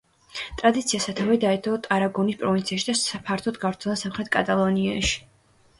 ტრადიციას სათავე დაედო ტარაგონის პროვინციაში და ფართოდ გავრცელდა სამხრეთ კატალონიაში.